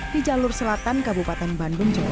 di jalur selatan kabupaten bandung jawa barat